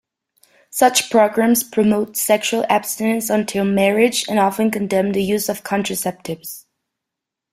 Such programs promote sexual abstinence until marriage and often condemn the use of contraceptives.